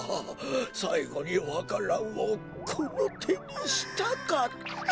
さいごにわか蘭をこのてにしたかったあっ。